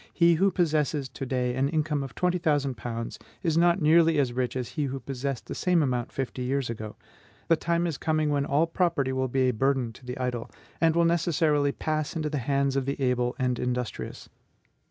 He who possesses to day an income of twenty thousand pounds is not nearly as rich as he who possessed the same amount fifty years ago. The time is coming when all property will be a burden to the idle, and will necessarily pass into the hands of the able and industrious.